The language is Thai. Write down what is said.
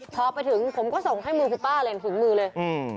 พอไปถึงผมก็ส่งให้มือคุณป้าเลยถึงมือเลยอืม